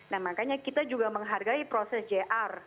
nah makanya kita juga menghargai proses jr